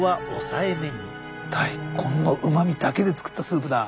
大根のうまみだけで作ったスープだ。